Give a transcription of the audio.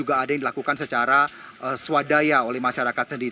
juga ada yang dilakukan secara swadaya oleh masyarakat sendiri